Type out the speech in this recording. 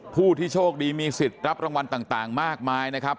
ผู้ที่โชคดีมีสิทธิ์รับรางวัลต่างมากมายนะครับ